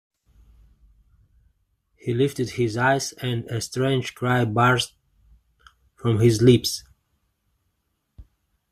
He lifted his eyes, and a strange cry burst from his lips.